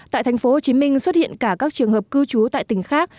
tại thành phố hồ chí minh xuất hiện cả các trường hợp cư trú tại tỉnh khác